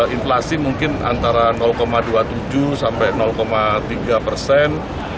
inflasi mungkin antara dua puluh tujuh sampai tiga persen